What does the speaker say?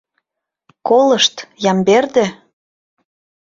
Колышт, Ямберде?..